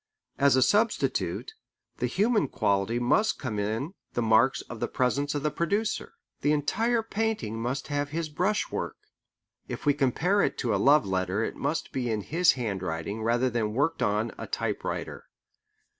As a substitute, the human quality must come in the marks of the presence of the producer. The entire painting must have his brushwork. If we compare it to a love letter it must be in his handwriting rather than worked on a typewriter.